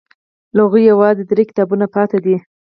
له هغوی یوازې درې کتابونه پاتې دي.